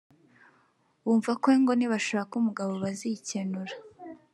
bumva ko ngo nibashaka umugabo bazikenura